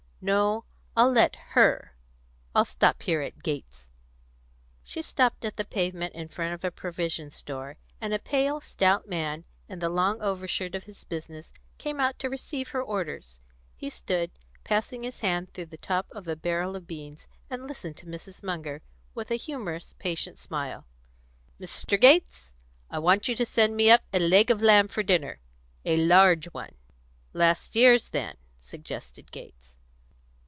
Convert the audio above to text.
No; I'll let her. I'll stop here at Gates's." She stopped at the pavement in front of a provision store, and a pale, stout man, in the long over shirt of his business, came out to receive her orders. He stood, passing his hand through the top of a barrel of beans, and listened to Mrs. Munger with a humorous, patient smile. "Mr. Gates, I want you to send me up a leg of lamb for dinner a large one." "Last year's, then," suggested Gates.